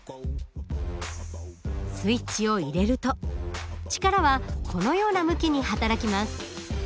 スイッチを入れると力はこのような向きに働きます。